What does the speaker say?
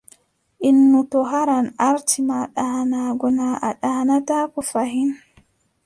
Innu to haran aarti ma ɗaanaago, naa a ɗaanataako fahin.